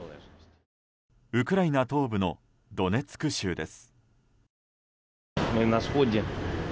ウクライナ東部のドネツク州です。